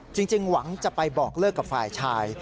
จริงหวังจะไปบอกเลิกกับฝ่ายชาย